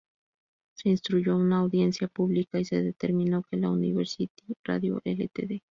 Se instruyó una audiencia pública y se determinó que la Universities Radio Ltd.